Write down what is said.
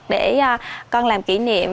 để con làm kỷ niệm